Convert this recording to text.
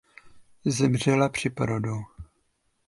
Zemřela při porodu.